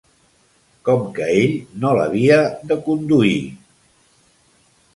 Com que ell no l'havia de conduir...